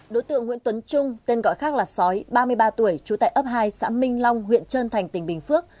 đối tượng nguyễn tuấn trung tên gọi khác là sói ba mươi ba tuổi trú tại ấp hai xã minh long huyện trơn thành tỉnh bình phước